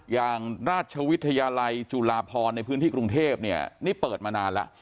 อย่างราชวิทยาลัยจุฬาพรในพื้นที่กรุงเทพเนี่ยนี่เปิดมานานแล้ว